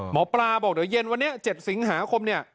หมอปลาบอกเดี๋ยวเย็นวันนี้๗สิงหาคมเนี่ย